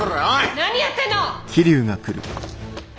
何やってんの！？